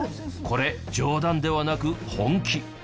これ冗談ではなく本気。